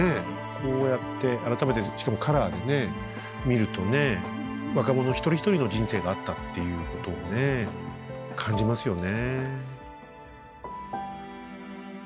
こうやって改めてしかもカラーで見ると若者一人一人の人生があったっていうことを感じますよね。